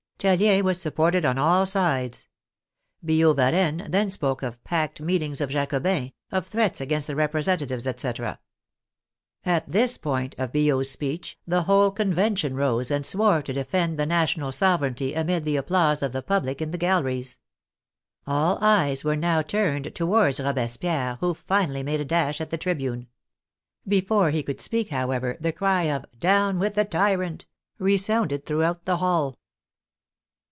Tallien was sup ported on all sides. Billaud Varennes then spoke of " packed " meetings of Jacobins, of threats against the representatives, etc. At this point of Billaud's speech the whole Convention rose and swore to defend the national THE THERMIDOR 9^ sovereignty amid the applause of the public in the gal leries. All eyes were now turned towards Robespieri e, who finally made a dash at the tribune. Before he could speak, however, the cry of " Down with the tyrant !" resounded throughout the hall.